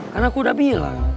kan aku udah bilang